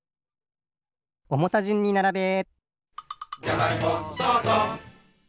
おもさじゅんにならべ！